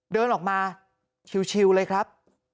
เดินออกมาชิวเลยครับ